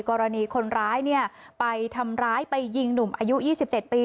กรณีคนร้ายเนี่ยไปทำร้ายไปยิงหนุ่มอายุยี่สิบเจ็ดปี